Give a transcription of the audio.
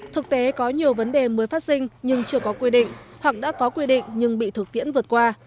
thực tế có nhiều vấn đề mới phát sinh nhưng chưa có quy định hoặc đã có quy định nhưng bị thực tiễn vượt qua